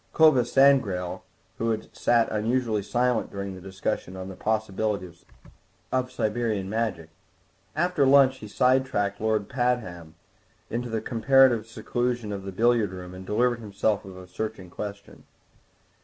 Clovis Sangrail had sat unusually silent during the discussion on the possibilities of Siberian Magic; after lunch he side tracked Lord Pabham into the comparative seclusion of the billiard room and delivered himself of a searching question.